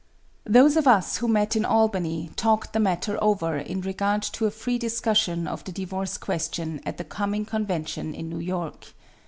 Those of us who met in Albany talked the matter over in regard to a free discussion of the divorce question at the coming convention in New York.